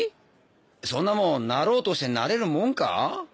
そんなモンなろうとしてなれるもんか？